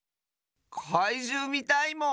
かいじゅうみたいもん！